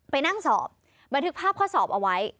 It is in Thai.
ไปนั่งสอบบันทึกภาพข้อสอบเอาไว้